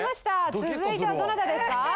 続いてはどなたですか？